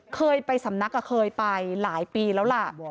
เคยไปสำนักเคยไปหลายปีแล้วล่ะ